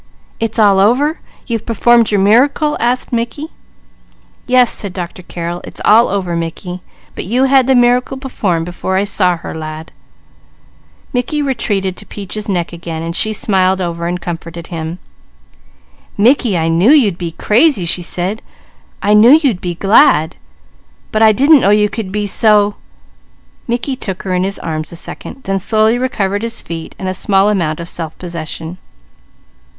"It's all over? You've performed your miracle?" asked Mickey. "Yes," said Dr. Carrel. "It's all over, Mickey; but you had the miracle performed before I saw her, lad." Mickey retreated to Peaches' neck again, while she smiled over and comforted him. "Mickey, I knew you'd be crazy," she said. "I knew you'd be glad, but I didn't know you could be so " Mickey took her in his arms a second, then slowly recovered his feet and a small amount of self possession.